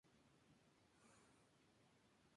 Ahora no estoy seguro si fue una buena idea.